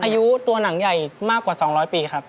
อายุตัวหนังใหญ่มากกว่า๒๐๐ปีครับ